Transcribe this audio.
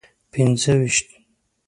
پنځه ویشت.